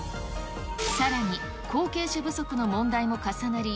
さらに、後継者不足の問題も重なり、